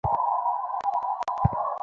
এই ছাড় ওকে!